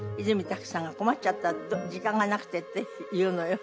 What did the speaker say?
たくさんが「困っちゃった時間がなくて」って言うのよ。